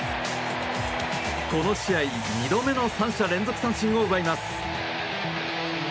この試合、２度目の３者連続三振を奪います。